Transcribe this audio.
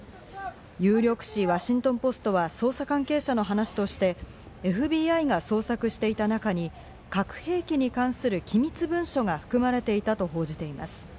有力紙・ワシントンポストは捜査関係者の話として、ＦＢＩが捜索していた中に核兵器に関する機密文書が含まれていたと報じています。